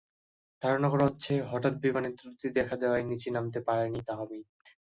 ধারণা করা হচ্ছে, হঠাৎ বিমানে ত্রুটি দেখা দেওয়ায় নিচে নামতে পারেননি তাহমিদ।